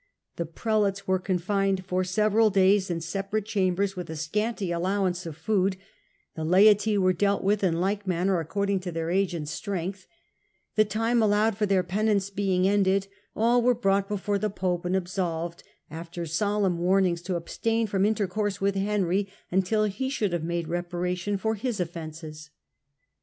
The prelates were confined for several days in separate chambers with a scanty Digitized by VjOOQIC Canossa ' 129 allowance of food, the laity were dealt with in like manner according to their age and strength. The time allowed for their penance being ended, all were brought before the pope and absolved, after solemn warnings to abstain from intercourse with Henry until he should have made reparation for his oflfences.